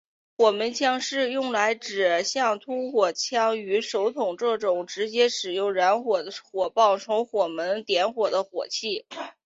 火门枪是用来指像突火枪与手铳这种直接使用燃烧的火棒从火门点火的火器。